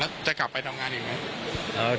แล้วจะกลับไปทำงานยังไง